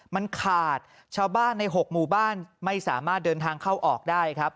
มันขาดชาวบ้านใน๖หมู่บ้านไม่สามารถเดินทางเข้าออกได้ครับ